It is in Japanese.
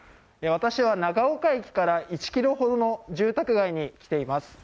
私は長岡駅から１ｋｍほどの住宅街に来ています。